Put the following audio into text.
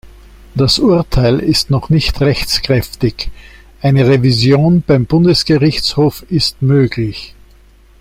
Das Urteil ist noch nicht rechtskräftig, eine Revision beim Bundesgerichtshof ist möglich.